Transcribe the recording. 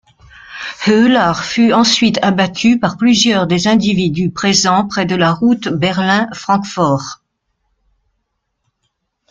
Höhler fut ensuite abattu par plusieurs des individus présents près de la route Berlin-Frankfort.